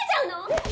えっ？